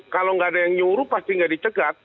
kalau nggak ada yang nyuruh pasti nggak dicegat